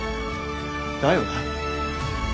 だよな。